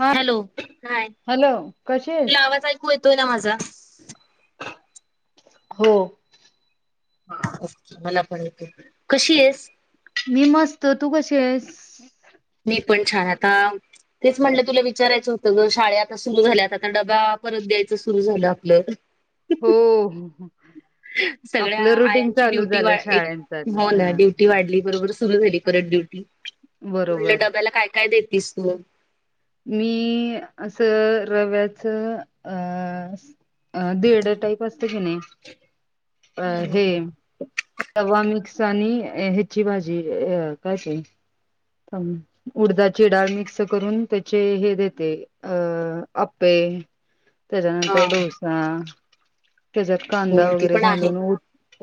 हा hello, hi hello कशी आहेस? तूला आवाज ऐकू येतोय ना माझा? हो. ओे, मला पण येतोय, कशी आहेस? मी मस्त, तू कशी आहेस? मी पण छान आता तेच म्हणलं तुला विचारायचं होतं गं, शाळ आता सुरू झाल्यात, आता डबा परत द्यायचं सुरु झालं आपलं. हो. सगळ्या आपलं रुटीन आयांची चालू ड्युटी झालं वाढ, एक शाळेंचालं हो हा ना ड्युटी वाढली बरोबर. सुरू झाली परत ड्युटी, म् म्हणलं बरोबर डब्याला काय काय देतीस तू? मी असं रव्याचं अ अ दीरड टाईप असते कि, नाही अ हम्म हम्म हे हम्म रवा मिक्स आणि ह्याची भाजी अ काय ते उडदाची डाळ मिक्स करून, त्याचे हे देते. अह आप्पे हा त्याच्यानंतर डोसा, त्याच्यात हो कांदा ते वगैरे पण आहे घालून उ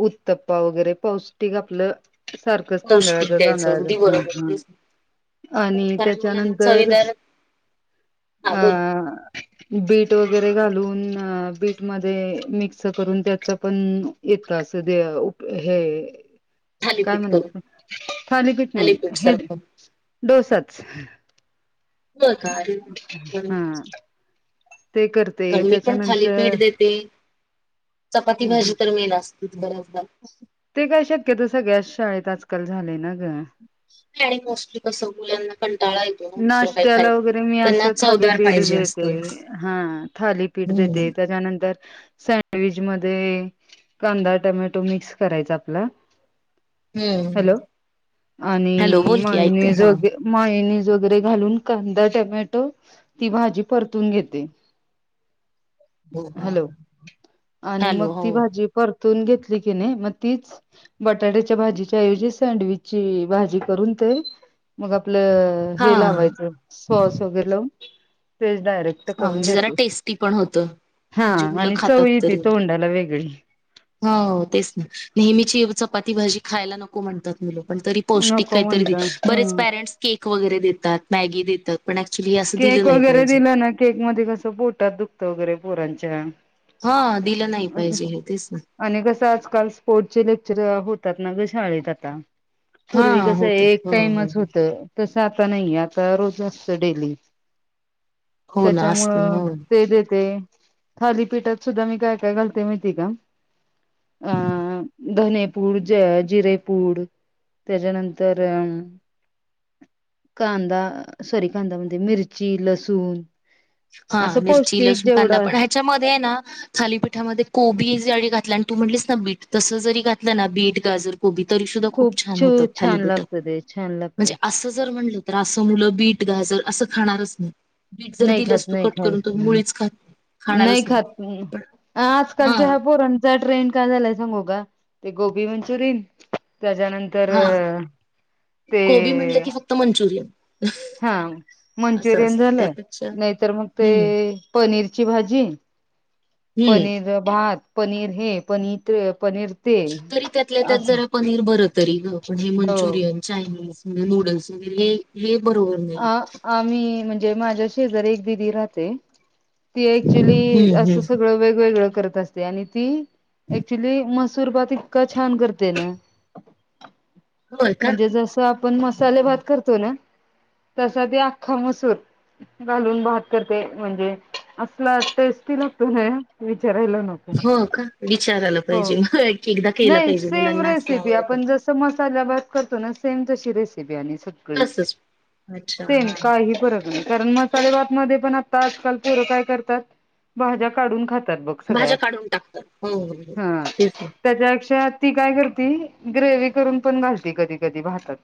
उत्तप्पा वगैरे, पौष्टिक आपलं सारखंच पौष्टिक तांदळाचं द्यायचं अगदी तांदळाचं ह बरोबर ह तेच ना. आणि कारण मुलांना त्याच्यानंतर चवीदार हा अ बोल बीट वगैरे घालून, बीट मध्ये मिक्स करून त्याच पण इतका असं देप हे [unintelligible] काय करून म्हणायचं, थालीपीठ नाही, हे डोसाच. हो का? हा ते कर मी पण थाली पीठ देते. चपाती -भाजी तर मेन असतेच बऱ्याचदा. ते काय शक्यतो, सगळ्याच शाळेत आजकाल झालेय ना गं. आणि मोस्टली कसं मुलांना कंटाळा ये नाश्त्याला वगैरे मी असं थालीपीठ पाहिजे देते. असतो हा थाली पीठ देत हम्म त्याच्यानंतर सँड विच मध्ये कांदा टमॅटो मिक्स करायचा आपला. हम्म हॅलो आणि हॅलो बोल की माहिनी ऐकते हा जोगे मायनी जो वगैरे घालून कांदा टोमॅटो ती भाजी परतून घेते. हो हा हॅलो आणि हॅलो मग हो ती भाजी परतून घेतली की नाही मग तीच बटाट्याच्या भाजीच्या ऐवजी सँडविच ची भाजी करून ते मग आपलं हा हे लावायचं सॉस वगैल तेच डायरेक्ट हा करून म्हणजे जरा देतो टेस्टी पण होतं हा म्हणजे मुलं आणि चव य खातात ते तरी तोंडाला वेगळी. हो तेच ना नेहमीची चपाती भाजी खायला नको म्हणतात मुलं. पण तरी पौष्टिक नको काहीतरी म्हणता बरेच हं. पॅरेंट्स केक वगैरे देतात मॅगी देतात प पण ऍक्च्युली असं दिलं नाही पाहिजे. केक मध्ये कसं पोटात दुखतं वगैरे पोरांच्या. हा दिलं नाही पाहिजे हे तेच ना. आणि कसं आजकाल स्पोर्टचे लेक्चर होतात ना गं शाळेत आता. हा पूर्वी कस होत एक हो हो हो टाइमच होत तस आता नाही आता रोज असत डेली. हो ना असत त्याच्यामुळं हो ते देते. थालीपीठात सुद्धा मी काय काय घालते माहिती का? अं धनेपूड जिरेपूड त्याच्यानंतर एम कांदा सॉरी कांदा म्हणजे मिरची लसूण असं पौष्टिक जेवढं च्या मध्ये ना थालीपीठामध्ये कोबी जडी घातली आणि तू म्हटलीस ना बीट तस जरी घातलं ना बीट गाजर कोबी तरी सुद्धा खूप छान छ होतात छान थालीपेट लागतं ते छान लागतं. म्हणजे असंच जर म्हणलं तर असं म्हणल बिट गाजर असं खाणारच नाही. बिट जर नाही दिल खात नाही ख नाही खात पण हम्म हा आजकल च्या ह्या पोरांना चा ट्रेंड का झालाय सांगू ते गोबी मंचुियन त्याच्यानंतर हा तर ते क्त मंचुरयन. हा मंचुरियन झालं. त्यापेक्षा नाहीतर मग ते हम्म पनीरची भाजी, हम्म पनीर भात. पनीर हे पनीर ते पनीर ते तरी त्यातल्या त्यात असं जरा पनीर बर तरी हे हो. मंचुरियन चायनीज म नूडल्स हे-हे बरोबर नाही आ आम्ही म्हणजे माझ्याशीजर एक दिदी राहते. ती ऍक्च्युली हम्म असं हम्म सगळं वेगवेगळं करत असते. ते आणि ती आक्च्युली मसूरभात इतका छान करते ना. होय का म्हणजे जस आपण मसाले भात करतो ना? तसा ते अख्खा मसूर घालून भात करते म्हणजे असला टेस्टी लागतो ना विचारायला नको. हो का विचारायला हो पाहिजे होय. नाही सेम रेसिपी आपण जस मसाल्या भात करतो ना सेम तशी रेसिपी आणि तसच अच्छा [unintelligible] हा काही फरक नाही. तर मसाले भात मध्ये पण आता आजकाल पोर काय करतात, भाज्या काढून खात भाज्या काढून टाकतात हो हो, हा तेच ना. त्याच्यापेक्षा ती काय करती ग्रेव करून पण घालती कधी कधी भातात.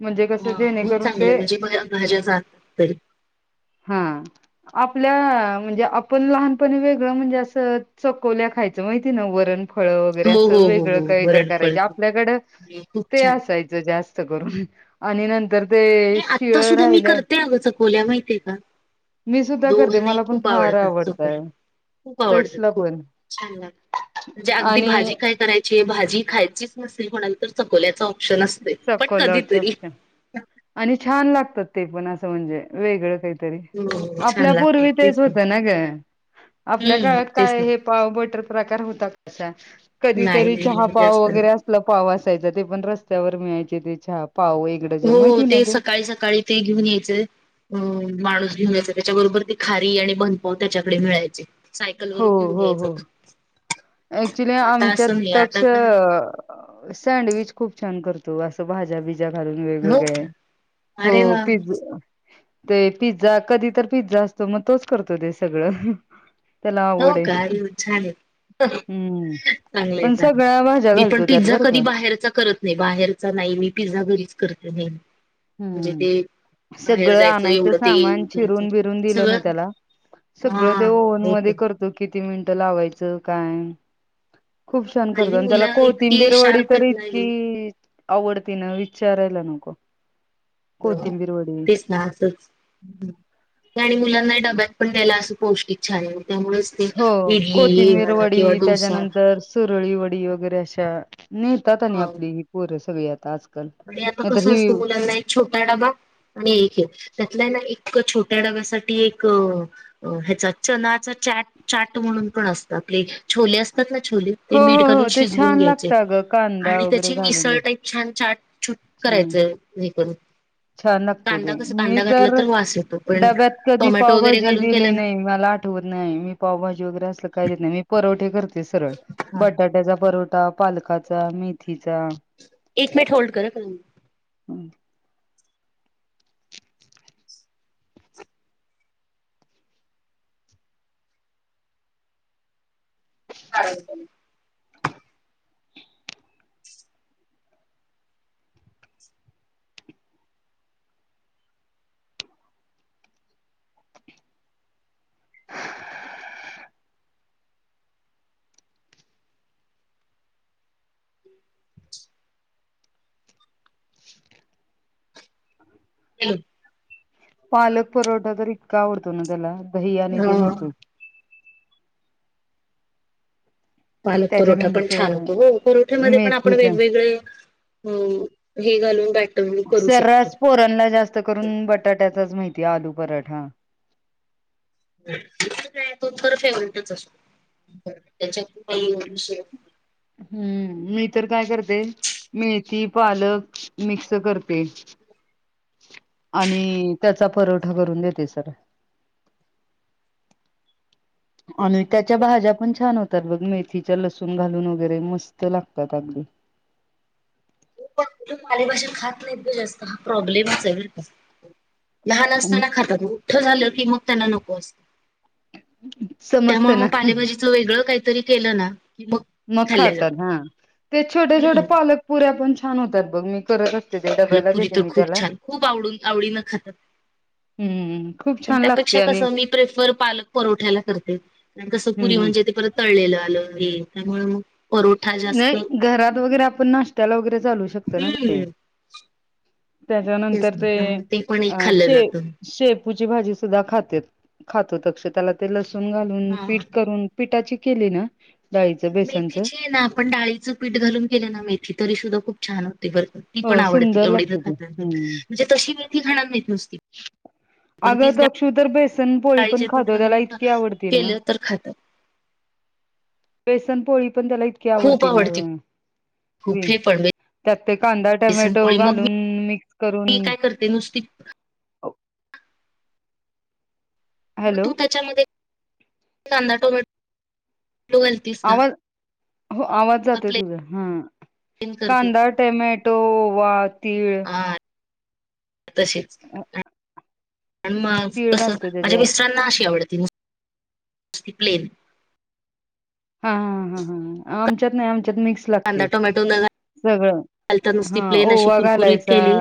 म्हणजे कसं ह, मग जेणेकरून ते चांगले म्हणजे भ, भाज्या जातत तरी! हा. आपल्या, म्हणजे आपण लहानपणी वेगळं म्हणजे असं चकोल्या खायच. ते माहितीय ना वरण, फळ वरे, हो अस हो हो हो वेगळ काही तर करायच, वरणफळच. आपल्याकड खूप ते छान असायचं जास्त स्त करून आणि नंनं नाही, आत्ता सुुद्धा मी करते अगं चकोल्या माहितय का? मी सुद्धा करते दोघांना ही मला पण खूप फार आवडतात, चकोल्या. आवडतय खूप आवडत तसलं खूप पण छान लागत, म्हणजे अगदी आणि भाजी काय करायची, भाजी खायचीच नसेल कोणाली तर चकोल्याचा ऑप्शन असतोय, पण चकोला कधीतरी. चपश आणि छान लागतात ते पण असं, म्हणजे वेगळं काहीतर. तरी, हो छान आपल्या लागतात पूर्वी तेच होत ना ग, आपल्या हम्म काळात तेच काय ना हे पाव, बटर प्रकार होतात अशा, कधी नाही तरी नाही चहा, नाही पाव जास्त नाही. वैगरे आपला पाव असायच ते पण रस्त्यावर मिळायचे ते चहा, पाव एक डझन हो माहिती ना ते, सकाळी- सकाळी ते घेऊन यायचे. हो, माणूस घेऊन जायचा, त्याच्याबरोबर ती खारी आणि बनपाव त्याच्याकडे मिळायचे. सायकल हो, वरून घेऊन हो, यायचं हो ऍक्च्युली आता असं आमच्यात नाही आता काय तसं सँडविच खूप छान करतो, असं भाज्या बी. घालून हो वेगवेगळे्या का? अरे हो वा पिज्ज ते पिझ्झा, कधी तर पिझ्झा असतो. मग तोच करतो ते सगळं. त्याला हो, आवड आहे काडू झाले. हम्म चांगलं हाय पण चांगलं, सगळ्या भाज्या मी पण घालतो त्यात पिझ्झा बरं का कधी बाहेरचा करत नाही बाहेर नाही मी पिझ्झा घरीच करते, नाही हम्म, सगळं जायचं आणायचं एवढं ते सामान करायचं चिरून- बिरून दिलं ना सगळं त्याला सगळं ते हा ओव्हन होत. मध्ये करतो, किती मिनिटं लावायचं काय. खूप छान करतो, हल्ली आणि त्याला मुलं इतकी कोथिंबीरवडी शार्प तर आहेत ना इतकी ही. आवडती ना, विचारायला नको. हो कोथिंबीर वडी तेच ना असंच आणि मुलांनाही डब्यात पण द्यायला असं पौष्टिक छान आहे, त्यामुळेच ते हो, इडली म्हणा किंवा कोथिंबीरवडी डोसा त्याच्यानंतर सुरळी वडी वगैरे अशा, नेतात आणि आपली ही पोरं सगळी आता, आजक नी, आता कसं असतं मुलांना एक छोटा डबा आणि एक हेय, त्यातला ना एक छोट्या डब्यासाठी एक अ, हेचा चनाचा चाट, चाट म्हणून पण असतात आपले छोले असतात ना छोले ते मीठ हो घालून हो ते शिजवून छान घ्यायचे, लागतं अगं कांदा आणि वगैरे त्याची घालून मिसळ टाईप छान, छुट हं, करायचं हे करून छान लागतं ते, कांदा कसा मी कांदा घातला तर वास येतो पण डब्यात कधी टोमॅटो वगैरे पावभाजी घालून दिली केलं ना नाही मला वत नाही, मी पावभाजी वगैरे असल काय देत नाही, मी परवठे करते सरळ, हा, बटाट्याचा परो पालकाचा, मेथीचा, एक मिनिट होल्ड कर पण हम् [unintelligible] हम पालक परोठा तर इतका आवडतो ना त्याला, दही आणि ते हा नहतो. पालक परोठा पण त्याच्यानंतर छान होतो, हो परोठा मध्ये पण आपण मेथीचा वेगवेगळे हम्म. हे घालून जा सर्रास पोरणला जास्त करून बटाट्याचाच माहितीय आलू पराठा. त्याच काय तो तर फेवर्हेटच असतो. त्याच्यात काही विषय हम्म. मी तर काय करते? मेथी पालक मिक्स करते. आणि त्याचा परोठा करून देते सर. आणि त्याच्या भाज्या पण छान होतात बघ. मेथीच्या लसूण घालून वगैरे मस्त लागतात अगदी. मुले पालेभाज्या खात नाहीत ग जास्त. हा प्रॉब्लेमचे बरका. लहान असताना खातात. मोठ झालं की मग त्यांना नको असत. समजते त्यामुळे ना मग पालेभजी च वेगळं काहीतरी केलं ना की मग मग खाल्ल्या खातात. जात हा. ते छोट्या छोट्या हम्म पालक पुऱ्या पण छान होतात बघ. मी कर मलकपुरी तर खूप छान. खूप आवडून आवडीनं खातात. हम्म खूप पण छान त्यापेक्षा लागते आणि कसं मी प्रेफर पालक परवठ्याला करते. कसं हम्म पुरी हम्म म्हनजे परत तळलेलं आलं हे. त्यामुळे मग परोठा जास्त नाही घरात वगैरे आपण नाश्त्याला वगैरे चालू शकतो ना ग ते. हम्म तेच त्याच्यानंतर ते. मग ते पण अ एक खाल्लं शे जातं. शेप ूची भाजी सुद्धा खातेत. खातो अक्ष त्याला ते लसूण घालून हा पीठ करून पठाची केली ना? डाळीचं बेसनचं मेथीची ना. आपण डाळीचं पीठ घालून केले ना मेथी. तरी सुद्धा खूप छान होते बरका. ती हो पण आवडती. सुंदर एवढी जर लागते ती खात नसल तर. हम्म. म्हणजे तशी मेथी खाणार नाही नुसती. पण अग तीच अक्षु तर बेसन पोळी पण डाळीच्या पीठ खातो. घालून त्याला खा इतकी आवडती ना. केलं तर खातात बेसनपोळी पण त्याला इतकी खूप आवडती ना. आवडते खूप मी हे पण त्यात कांदा बेसन टमॅटो पोळी मग घालून मिक्स करून. मी काय करते नुसती. म हॅलो तू त्याच्यामध्ये कांदा टोमॅटो घाल आवाज. हो. आवाज जातोय प्लेन तुझा. ह. तेन करते कांदा, टमॅटो, ओवा, तीळ. हा तशीच. अ, पण म तीळ कस. घालते माझ्या त्याच्यात मिस्टरांना अशी आवडती. नसती प्लेन. हा ह ह ह. आमच्यात नाही. आमच्यात मिक्स कांदा लागतेय. टोमॅटो न सगळं घालता नुसती ह प्लेन अशी ओवा कुरकुरीत घालायचा केली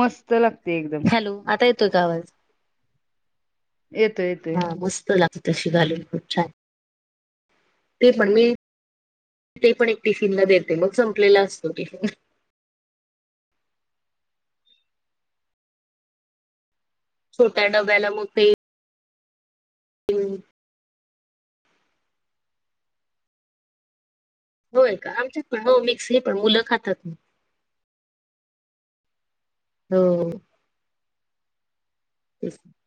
मस्त लागते एकदम. हॅलो आता येतोय का आवाज? येतो येतो हा मस्त लाग तशी घालून खूप छान. ते पण मी ते पण एक टिफिन ला देते. मग संपलेला असतो टिफिन. छोट्या डब्याला म ते हम्म. होय का? आमच्यात पण, हो मिक्स हे पण मुलं खातात. हो. ह् [unintelligible]